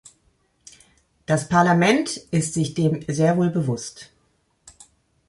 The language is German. Das Parlament ist sich dem sehr wohl bewusst.